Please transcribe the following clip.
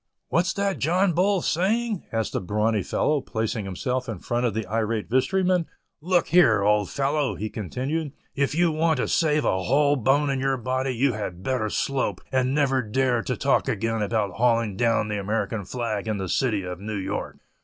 "What's that John Bull a saying," asked a brawny fellow, placing himself in front of the irate vestryman; "Look here, old fellow," he continued, "if you want to save a whole bone in your body, you had better slope, and never dare to talk again about hauling down the American flag in the city of New York."